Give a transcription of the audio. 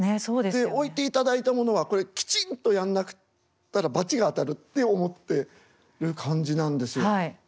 で置いていただいたものはこれきちんとやんなかったら罰が当たるって思ってる感じなんですよ。